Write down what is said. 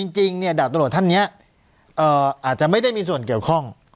จริงดาบตำรวจท่านนี้อาจจะไม่ได้มีส่วนเกี่ยวข้อง